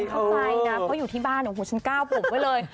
เข้าใจนะเพราะอยู่ที่บ้านโอ้โหฉันก้าวผมไว้เลย